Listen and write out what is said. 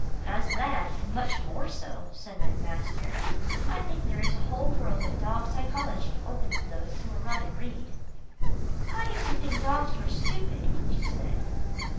"As that, and much more so," said my master. "I think there is a whole world of dog psychology open to those who will run and read." "I used to think dogs were stupid," she said.